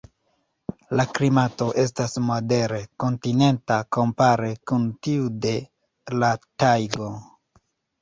La klimato estas modere kontinenta kompare kun tiu de la tajgo.